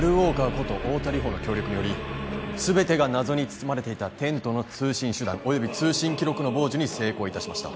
こと太田梨歩の協力により全てが謎に包まれていたテントの通信手段及び通信記録の傍受に成功いたしました